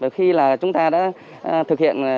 khi chúng ta đã thực hiện